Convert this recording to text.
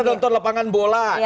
abis itu ada tonton lepangan bola